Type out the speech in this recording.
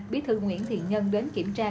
bí thư nguyễn thiện nhân đến kiểm tra